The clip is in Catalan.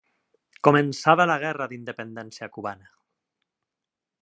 Començava la guerra d'independència cubana.